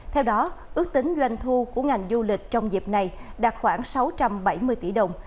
theo đó ước tính doanh thu của ngành du lịch trong dịp này đạt khoảng sáu trăm bảy mươi tỷ đồng